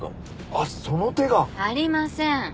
あっその手が。ありません。